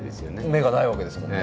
芽がないわけですもんね。